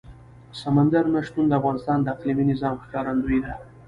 سمندر نه شتون د افغانستان د اقلیمي نظام ښکارندوی ده.